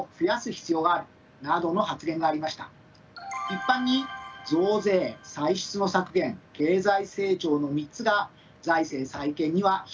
一般に増税歳出の削減経済成長の３つが財政再建には必要です。